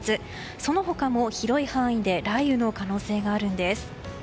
その他も広い範囲で雷雨の可能性があるんです。